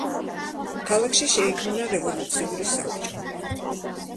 ქალაქში შეიქმნა რევოლუციური საბჭო.